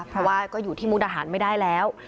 เพราะว่าก็อยู่ที่มุกดาหารไม่ได้แล้ว